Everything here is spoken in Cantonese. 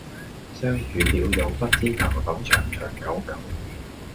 相遇了又不知能否長長久久